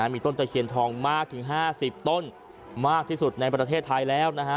มีต้นตะเคียนทองมากถึง๕๐ต้นมากที่สุดในประเทศไทยแล้วนะฮะ